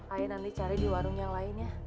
ayo nanti cari di warung yang lain ya